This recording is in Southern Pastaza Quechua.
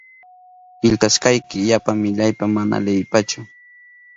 Killkashkayki yapa millaypa mana leyipachu.